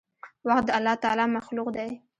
وخت د الله تعالي مخلوق دی.